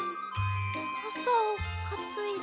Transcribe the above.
かさをかついで。